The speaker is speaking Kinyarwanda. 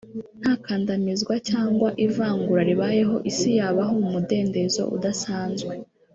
nta kandamizwa cyangwa ivangura ribayeho Isi yabaho mu mudendezo udasanzwe